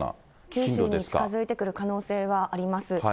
九州に近づいてくる可能性はあります。